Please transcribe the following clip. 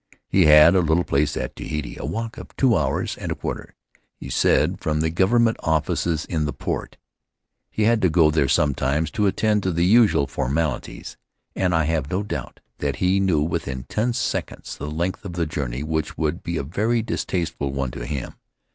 He had a little place at Tahiti, a walk of two hours and a quarter, he said, from the government offices in the port. He had to go there sometimes to attend to the usual formalities, and I have no doubt that he knew within ten seconds the length of the journey which would be a very distasteful one to him.